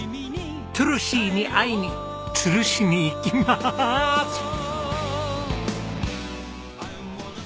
トゥルシーに会いに都留市に行きまーす！